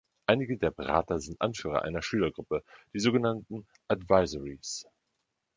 Einige der Berater sind Anführer einer Schülergruppe, die so genannten Advisories.